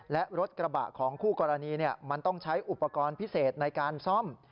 และรถกระบะของคู่กรณีมันต้องใช้อุปกรณ์พิเศษในการซ่อม